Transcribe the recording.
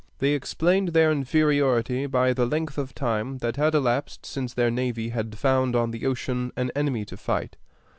They explained their inferiority by the length of time that had elapsed since their navy had found on the ocean an enemy to fight.